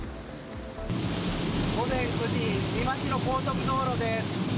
午前９時、美馬市の高速道路です。